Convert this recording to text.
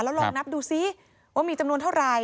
แล้วลองนับดูซิว่ามีจำนวนเท่าไหร่